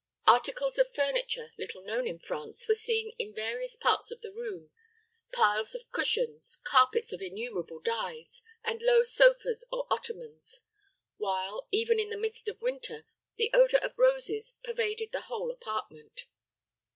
Articles of furniture little known in France were seen in various parts of the room; piles of cushions, carpets of innumerable dyes, and low sofas or ottomans; while, even in the midst of winter, the odor of roses pervaded the whole apartment.